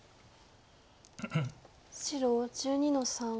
白１２の三。